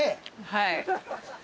はい。